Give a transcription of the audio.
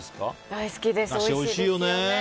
大好きです、おいしいですよね。